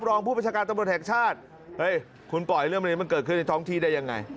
รองผู้ประชาการตำรวจแห่งชาติเฮ้ยคุณปล่อยเรื่องแบบนี้มันเกิดขึ้นในท้องที่ได้ยังไง